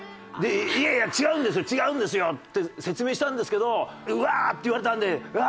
「いやいや違うんですよ違うんですよ」って説明したんですけどワーッて言われたんであ